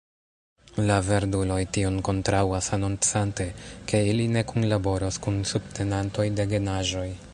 La verduloj tion kontraŭas, anoncante, ke ili ne kunlaboros kun subtenantoj de genaĵoj.